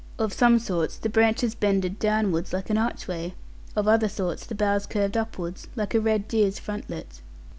Of some sorts the branches bended downwards, like an archway; of other sorts the boughs curved upwards, like a red deer's frontlet.